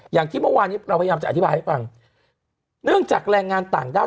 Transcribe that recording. อย่างที่เมื่อวานนี้เราพยายามจะอธิบายให้ฟังเนื่องจากแรงงานต่างด้าว